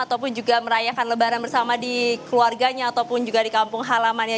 ataupun juga merayakan lebaran bersama di keluarganya ataupun juga di kampung halamannya